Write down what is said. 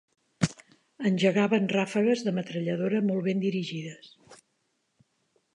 Engegaven ràfegues de metralladora molt ben dirigides